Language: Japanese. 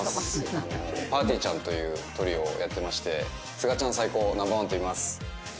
ぱーてぃーちゃんというトリオをやってましてすがちゃん最高Ｎｏ．１といいます。